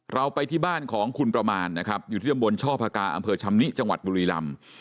เราไปที่บ้านของคุณประมาณนะครับอยู่ที่ตำบลช่อพกาอำเภอชำนิจังหวัดบุรีลำ